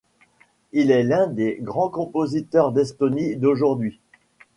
Il est l'un des grands compositeurs d'Estonie d'aujourd'hui.